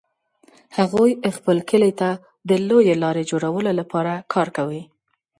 هغوی خپل کلي ته د لویې لارې جوړولو لپاره کار کوي